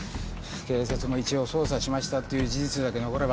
警察も一応捜査しましたっていう事実だけ残れば。